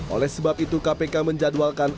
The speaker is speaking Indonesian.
oleh sebab itu kpk menjadwalkan